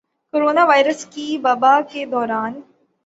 corona virus کی وبا کے دوران